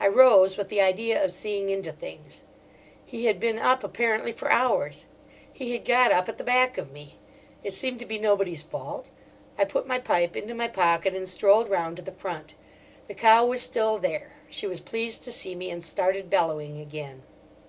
I rose with the idea of seeing into things. He had been up apparently for hours: he had got up at the back of me. It seemed to be nobody's fault. I put my pipe into my pocket and strolled round to the front. The cow was still there; she was pleased to see me, and started bellowing again.